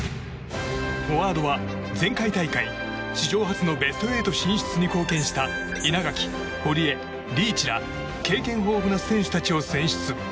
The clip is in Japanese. フォワードは、前回大会史上初のベスト８進出に貢献した稲垣、堀江、リーチら経験豊富な選手たちを選出。